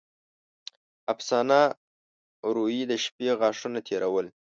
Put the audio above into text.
افسانه: روې د شپې غاښونه تېرول.